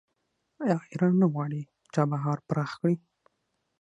آیا ایران نه غواړي چابهار پراخ کړي؟